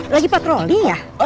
lagi patroli ya